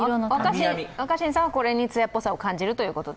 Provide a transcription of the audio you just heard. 若新さんはこれに艶っぽさを感じるということで？